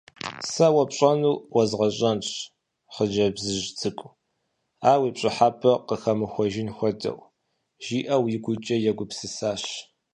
Сэ уэ пщӏэнур уэзгъэщӏэнщ, хъыджэбзыжь цӏыкӏу, ар уи пщӏыхьэпӏэ къыхэмыхуэжын хуэдэу,— жиӏэу игукӏэ егупсысащ.